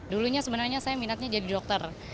dulunya sebenarnya saya minatnya jadi dokter